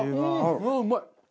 うわあうまい！